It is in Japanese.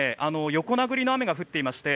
横殴りの雨が降っていまして